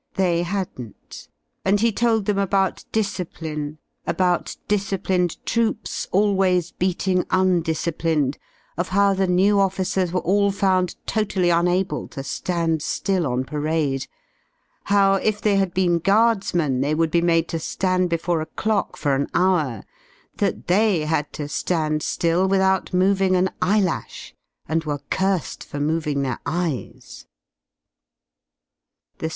They hadn't, and he told them about discipline, about disciplined troops always beating undis ciplined, of how the new officers were all found totally unable to ^and ^ill on parade, how if they had been guards men they would be made to ^and before a clock for an hour, that they had to ^nd ^ill without moving an eyelash and were cursed for moving their eyes.